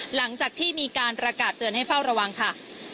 หลังจากที่มีการประกาศเตือนให้เฝ้าระวังค่ะ